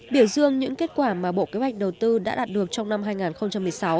biểu dương những kết quả mà bộ kế hoạch đầu tư đã đạt được trong năm hai nghìn một mươi sáu